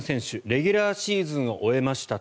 レギュラーシーズンは終えました。